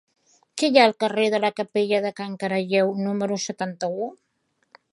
Què hi ha al carrer de la Capella de Can Caralleu número setanta-u?